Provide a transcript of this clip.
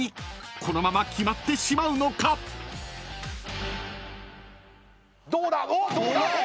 ［このまま決まってしまうのか⁉］きた！